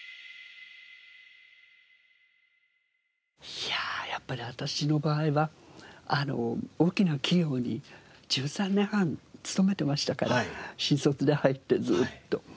いややっぱり私の場合は大きな企業に１３年半勤めてましたから新卒で入ってずっと。